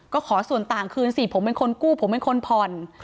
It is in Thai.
ก็ขอส่วนต่างคืนสิผมเป็นคนกู้ผมเป็นคนผ่อน